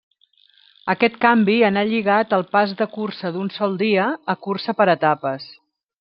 Aquest canvi anà lligat al pas de cursa d'un sol dia a cursa per etapes.